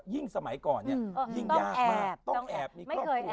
ยิ่งสมัยก่อนยิ่งยากมาก